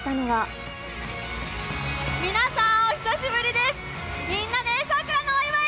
皆さん、お久しぶりです。